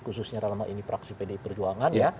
khususnya dalam ini praksi pdi perjuangan